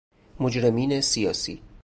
مجرمین سیاسی